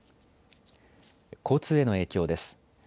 交通への影響です。